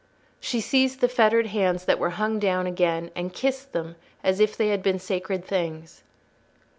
She seized the fettered hands that were hung down again, and kissed them as if they had been sacred things.